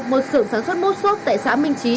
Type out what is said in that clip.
một sưởng sản xuất mốt xốp tại xã minh trí